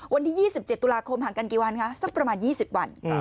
วันที่๒๗ตุลาคมห่างกันกี่วันคะสักประมาณ๒๐วัน